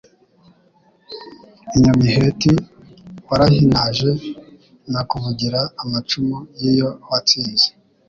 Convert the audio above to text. I Nyamiheti warahinaje Nakuvugira amacumu y'iyo watsinze,